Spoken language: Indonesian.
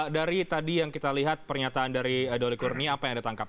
dari tadi yang kita lihat pernyataan dari dolly kurnia apa yang ditangkap